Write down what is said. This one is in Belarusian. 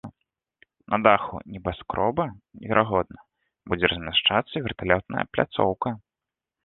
На даху небаскроба, верагодна, будзе размяшчацца верталётная пляцоўка.